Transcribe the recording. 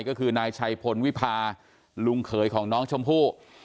ก็คือนายชัยพลวิพาลุงเขยของน้องชมพู่